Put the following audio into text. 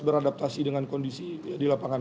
beradaptasi dengan kondisi di lapangan